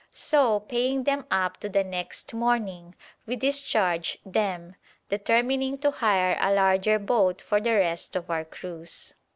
So, paying them up to the next morning, we discharged them, determining to hire a larger boat for the rest of our cruise.